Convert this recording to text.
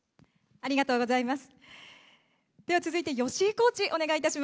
ありがとうございます。